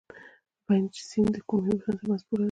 پنج سیند د کومو هیوادونو ترمنځ پوله ده؟